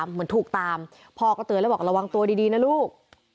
เหมือนถูกตามพ่อก็เตือนแล้วบอกระวังตัวดีนะลูก